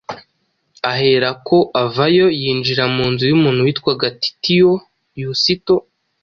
Aherako avayo, yinjira mu nzu y’umuntu witwaga Titiyo Yusito,